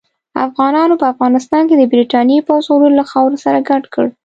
افغانانو په افغانستان کې د برتانیې پوځ غرور له خاورو سره ګډ کړ.